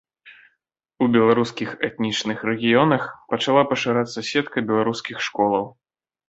У беларускіх этнічных рэгіёнах пачала пашырацца сетка беларускіх школаў.